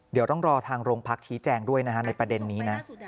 เดี๋ยวต้องรอทางโรงพักชี้แจงด้วยนะฮะในประเด็นนี้นะ